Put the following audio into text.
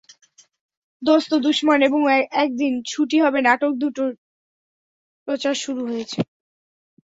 দোস্ত দুশমন এবং একদিন ছুটি হবে নাটক দুটির প্রচার শুরু হয়েছে।